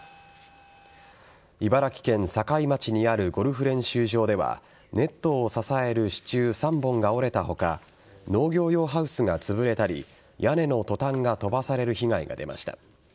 茨城県境町にあるゴルフ練習場ではネットを支える支柱３本が折れた他農業用ハウスがつぶれたり屋根のトタンが飛ばされる被害が出ました。